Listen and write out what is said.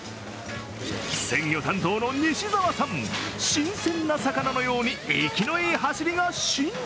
鮮魚担当の西澤さん、新鮮な魚のように生きのいい走りが信条。